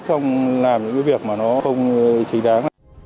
xong làm những cái việc mà nó không chính đáng